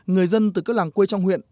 người dân từ các làng quê trong huyện